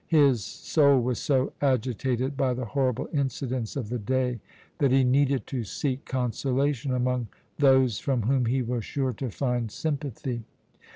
His soul was so agitated by the horrible incidents of the day that he needed to seek consolation among those from whom he was sure to find sympathy.